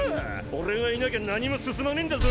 俺がいなきゃ何も進まねんだぞ！